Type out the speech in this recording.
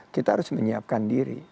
kita harus menyiapkan diri